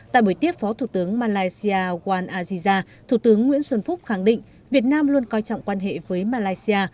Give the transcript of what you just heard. tại buổi tiếp phó thủ tướng malaysia wan aziza thủ tướng nguyễn xuân phúc khẳng định việt nam luôn coi trọng quan hệ với malaysia